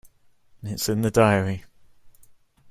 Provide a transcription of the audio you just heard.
It's in the diary.